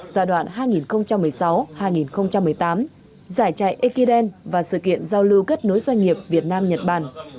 giai đoạn hai nghìn một mươi sáu hai nghìn một mươi tám giải chạy ekiden và sự kiện giao lưu kết nối doanh nghiệp việt nam nhật bản